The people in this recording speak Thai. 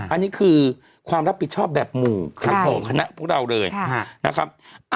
อันนี้คือความรับผิดชอบแบบหมู่ของคณะพวกเราเลยนะครับ